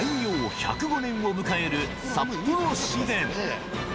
１０５年を迎える札幌市電。